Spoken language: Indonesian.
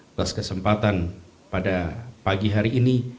atas kesempatan pada pagi hari ini